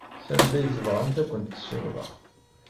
Sanda ay tebɣamt ad kent-ssiwḍeɣ.